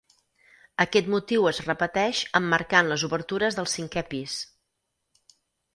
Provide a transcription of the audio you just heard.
Aquest motiu es repeteix emmarcant les obertures del cinquè pis.